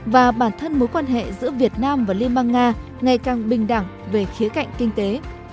và bản thân mối quan hệ giữa việt nam và liên bang nga ngày càng bình đẳng về khía cạnh kinh tế